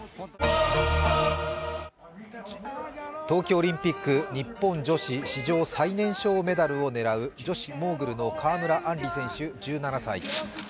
冬季オリンピック日本女子史上最年少メダルを狙う女子モーグルの川村あんり選手１７歳。